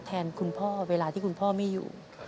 แทนคุณพ่อเวลาที่คุณพ่อไม่อยู่